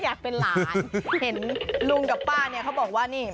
อยากเป็นหลานเห็นลุงกับป้าเนี่ยเขาบอกว่านี่